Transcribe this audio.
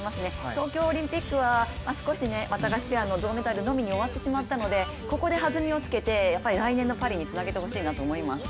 東京オリンピックは少しワタガシペアの銅メダルに終わってしまったので終わってしまったので、ここで弾みをつけてやっぱり来年のパリにつなげてほしいなと思います。